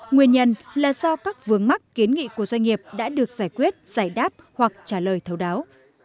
nguyên nhân là do các vướng mắc kiến nghị của doanh nghiệp đã được giải quyết giải đáp hoặc trả lời thấu đáo